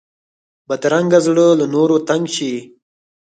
بدرنګه زړه له نورو تنګ شي